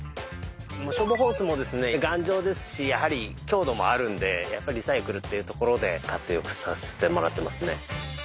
消防ホースもですねやはり頑丈ですし強度もあるのでやっぱりリサイクルっていうところで活用させてもらってますね。